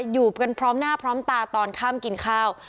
อยู่กันพร้อมหน้าพร้อมตาตอนค่ำกินข้าว